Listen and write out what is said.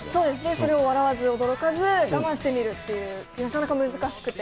それを笑わず、驚かず、我慢して見るっていう、なかなか難しくて。